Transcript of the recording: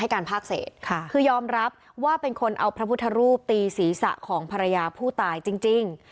การพากเศษค่ะคือยอมรับว่าเป็นคนเอาพระพุทธรูปตีศีรษะของภรรยาผู้ตายจริง